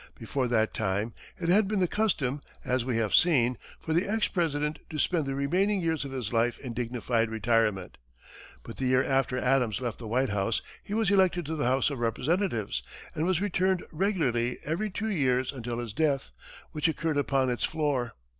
Before that time, it had been the custom, as we have seen, for the ex President to spend the remaining years of his life in dignified retirement; but the year after Adams left the White House, he was elected to the House of Representatives, and was returned regularly every two years until his death, which occurred upon its floor.